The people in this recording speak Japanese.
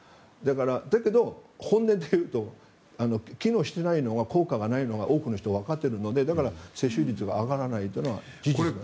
だけど本音で言うと機能していないのは効果がないのが多くの人、わかっているのでだから接種率が上がらないというのが事実です。